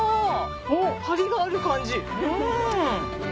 おっハリがある感じ。